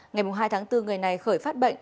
ngày hai tháng bốn người này khởi phát bệnh